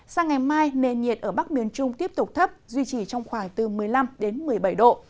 sang ngày mai nền nhiệt ở bắc miền trung tiếp tục thấp duy trì trong khoảng từ một mươi năm một mươi bảy độ